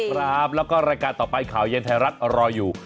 ครับแล้วก็รายการต่อไปข่าวเย็นไทยรัฐรออยู่